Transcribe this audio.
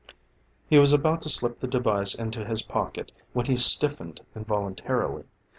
He was about to slip the device into his pocket when he stiffened involuntarily.